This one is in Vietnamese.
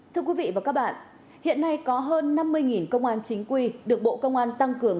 thưa quý vị và các bạn hiện nay có hơn năm mươi công an chính quy được bộ công an tăng cường